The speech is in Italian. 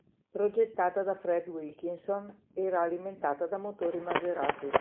Progettata da Fred Wilkinson, era alimentata da motori Maserati.